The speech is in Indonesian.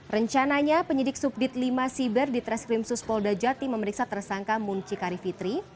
rencananya penyidik subdit lima siber di treskrim sus polda jatin memeriksa tersangka muncikari fitri